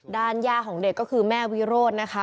ย่าของเด็กก็คือแม่วิโรธนะคะ